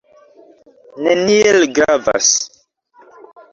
Neniel gravas.